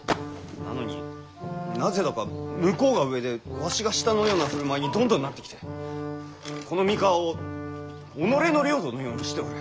なのになぜだか向こうが上でわしが下のような振る舞いにどんどんなってきてこの三河を己の領土のようにしておる！